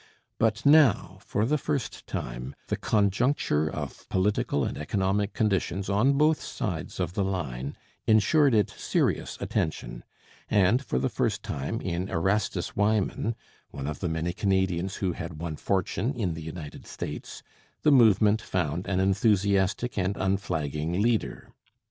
But now, for the first time, the conjuncture of political and economic conditions on both sides of the line ensured it serious attention; and, for the first time, in Erastus Wiman, one of the many Canadians who had won fortune in the United States, the movement found an enthusiastic and unflagging leader.